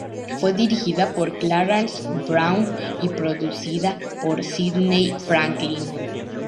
Fue dirigida por Clarence Brown y producida por Sidney Franklin.